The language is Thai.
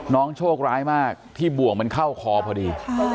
โชคร้ายมากที่บ่วงมันเข้าคอพอดี